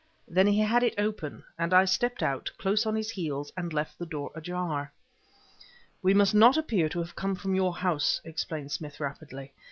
Then he had it open, and I stepped out, close on his heels, and left the door ajar. "We must not appear to have come from your house," explained Smith rapidly.